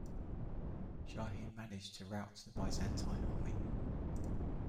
Shahin managed to rout the Byzantine army.